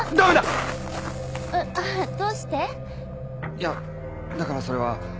いやだからそれは。